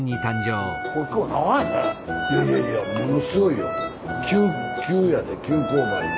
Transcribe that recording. いやいやいやものすごいよ。